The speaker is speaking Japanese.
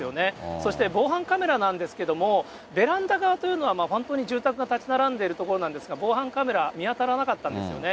そして防犯カメラなんですけれども、ベランダ側というのは、本当に住宅が建ち並んでいる所なんですけど、防犯カメラ、見当たらなかったんですよね。